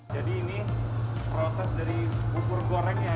jadi ini proses dari bubur gorengnya